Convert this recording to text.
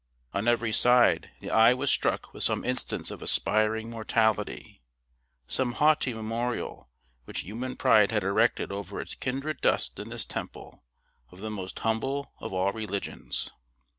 On every side, the eye was struck with some instance of aspiring mortality, some haughty memorial which human pride had erected over its kindred dust in this temple of the most humble of all religions.